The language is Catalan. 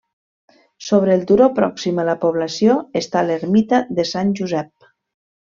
Sobre el turó pròxim a la població està l'ermita de Sant Josep.